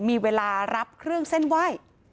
มีเวลารับเครื่องเส้นไหว้